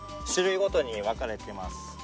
種類ごとに分かれてます。